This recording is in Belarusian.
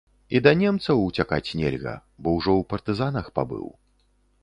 І да немцаў уцякаць нельга, бо ўжо ў партызанах пабыў.